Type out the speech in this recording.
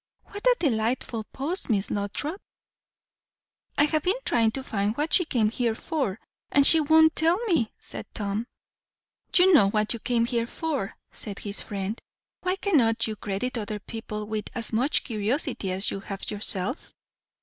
What a delightful post, Miss Lothrop!" "I have been trying to find what she came here for; and she won't tell me," said Tom. "You know what you came here for," said his friend. "Why cannot you credit other people with as much curiosity as you have yourself?"